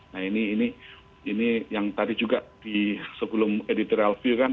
nah ini yang tadi juga di sebelum editorial view kan